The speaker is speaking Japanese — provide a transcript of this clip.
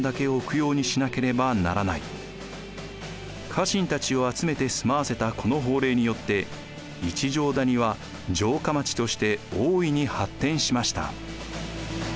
家臣たちを集めて住まわせたこの法令によって一乗谷は城下町として大いに発展しました。